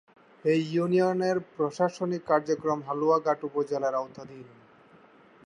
এ ইউনিয়নের প্রশাসনিক কার্যক্রম হালুয়াঘাট উপজেলার আওতাধীন।